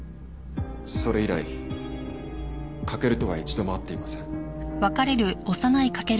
それ以来駆とは一度も会っていません。